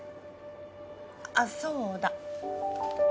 あっそうだ。